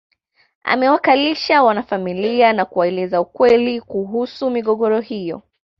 Amewakalisha wanafamilia na kuwaeleza ukweli kuhusu migogoro hiyo